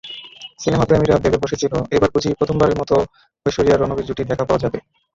সিনেমাপ্রেমীরা ভেবে বসেছিল, এবার বুঝি প্রথমবারের মতো ঐশ্বরিয়া-রণবীর জুটির দেখা পাওয়া যাবে।